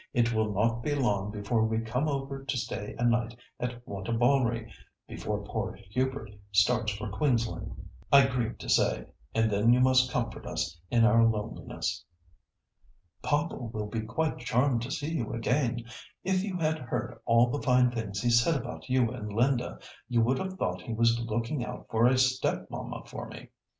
It will not be long before we come over to stay a night at Wantabalree, before poor Hubert starts for Queensland, I grieve to say, and then you must comfort us in our loneliness." "Papa will be quite charmed to see you again. If you had heard all the fine things he said about you and Linda, you would have thought he was looking out for a step mamma for me.